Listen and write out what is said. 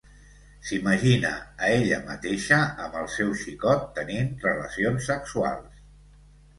S"imagina a ella mateixa amb el seu xicot tenint relacions sexuals.